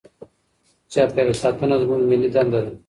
چاپیریال ساتنه زموږ ملي دنده ده.